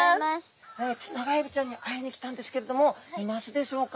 テナガエビちゃんに会いに来たんですけれどもいますでしょうか？